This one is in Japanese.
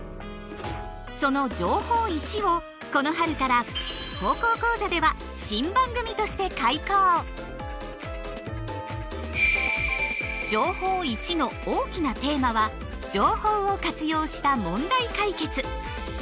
その「情報Ⅰ」をこの春から「高校講座」では「情報Ⅰ」の大きなテーマは情報を活用した問題解決。